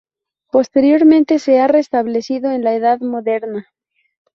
Posteriormente, se ha restablecido en la Edad Moderna.